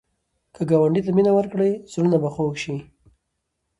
که ګاونډي ته مینه ورکړې، زړونه به خوږ شي